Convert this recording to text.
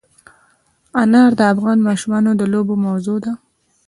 انار د افغان ماشومانو د لوبو موضوع ده.